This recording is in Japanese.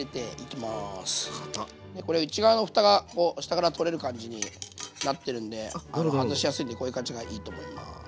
これ内側の蓋が下から取れる感じになってるんで外しやすいんでこういう感じがいいと思います。